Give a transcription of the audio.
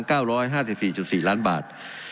งวมมาทั้งสิ้น๑๙๕๔๔ล้านบาท